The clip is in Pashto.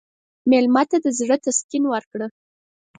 مېلمه ته د زړه تسکین ورکړه.